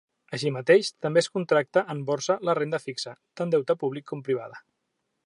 Així mateix, també es contracta en Borsa la renda fixa, tant deute públic com privada.